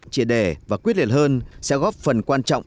chia đề và quyết liệt hơn sẽ góp phần quan trọng